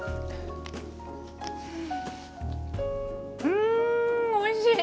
うんおいしい！